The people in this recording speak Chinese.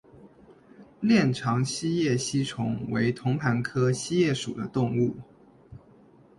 链肠锡叶吸虫为同盘科锡叶属的动物。